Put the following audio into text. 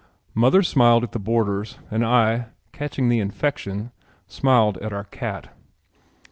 Mother smiled at the boarders and I, catching the infection, smiled at our cat.